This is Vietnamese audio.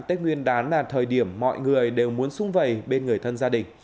tết nguyên đán là thời điểm mọi người đều muốn xung vầy bên người thân gia đình